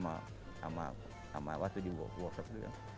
sama waktu di workshop dia